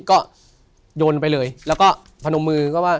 ก็โยนไปเลยแล้วก็พนมมือ